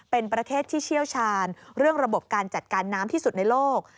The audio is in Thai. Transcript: เป็นประเทศที่เชี่ยวชาญเรื่องระบบการจัดการน้ำที่สุดในโลก